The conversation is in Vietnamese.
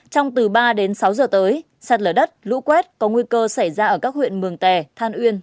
trong từ ba đến sáu giờ tới sạt lở đất lũ quét có nguy cơ xảy ra ở các huyện mường tè than uyên